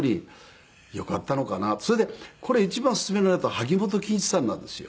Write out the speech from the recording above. それでこれ一番勧めになったの萩本欽一さんなんですよ。